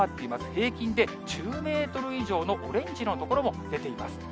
平均で１０メートル以上のオレンジの所も出ています。